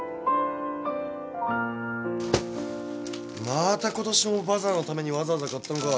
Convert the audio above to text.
またことしもバザーのためにわざわざ買ったのか。